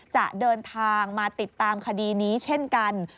จะเดินทางมาติดตามคดีนี้เช่นกัน